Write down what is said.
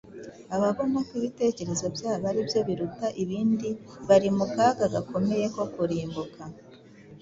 Ababona ko ibitekerezo byabo ari byo biruta ibindi bari mu kaga gakomeye ko kurimbuka.